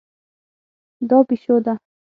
دا پیشو ده